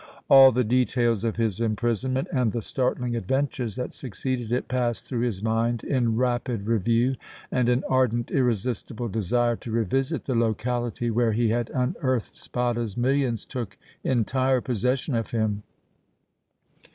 All the details of his imprisonment and the startling adventures that succeeded it passed through his mind in rapid review, and an ardent, irresistible desire to revisit the locality where he had unearthed Spada's millions took entire possession of him.